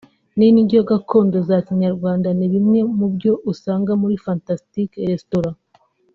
n’indyo gakondo za Kinyarwanda ni bimwe mu byo usanga muri Fantastic restaurant